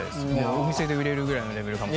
お店で売れるぐらいのレベルかも。